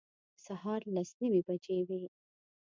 سهار لس نیمې بجې وې.